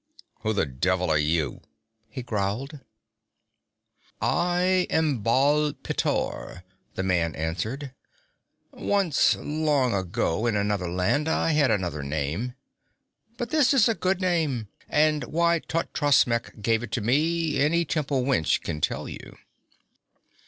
'Who the devil are you?' he growled. 'I am Baal pteor,' the man answered. 'Once, long ago and in another land, I had another name. But this is a good name, and why Totrasmek gave it to me, any temple wench can tell you.'